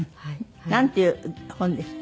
なんていう本ですって？